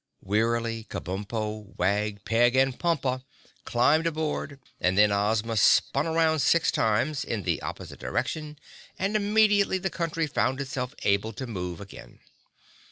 Wearily, Kabumpo, Wag, Peg and Pompa climbed aboard and then Ozma spun around six times in the opposite direction and immediately the Country found itself able to move again.